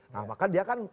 nah maka dia kan